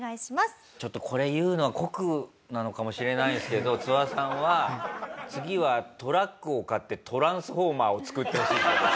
ちょっとこれ言うのは酷なのかもしれないですけどツワさんは次はトラックを買ってトランスフォーマーを作ってほしい人です。